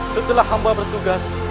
setelah hamba bersugas